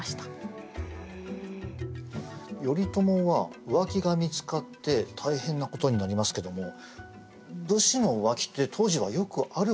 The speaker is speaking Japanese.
頼朝は浮気が見つかって大変なことになりますけども武士の浮気って当時はよくあることだったんでしょうか？